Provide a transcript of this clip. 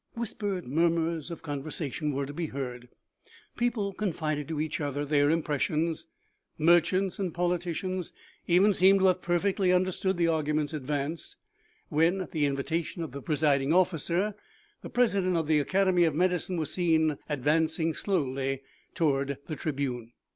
Whispered murmurs of conver sation were to be heard ; people confided to each other their impressions ; merchants and politicians even seemed to have perfectly understood the arguments advanced, when, at the invitation of the presiding officer, the presi dent of the academy of medicine was seen advancing slowly toward the tribune.